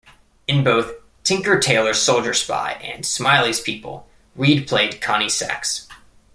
In both "Tinker Tailor Soldier Spy" and "Smiley's People" Reid played Connie Sachs.